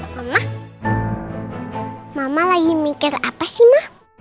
mama mama lagi mikir apa sih mah